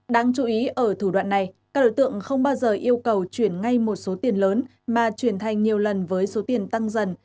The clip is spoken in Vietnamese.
đáng chú ý ở thủ đoạn này các đối tượng không bao giờ yêu cầu chuyển ngay một số tiền lớn mà chuyển thành nhiều lần với số tiền tăng dần